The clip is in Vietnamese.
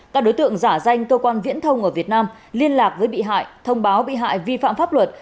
các đối tượng giả danh cơ quan viễn thông ở việt nam liên lạc với bị hại thông báo bị hại vi phạm pháp luật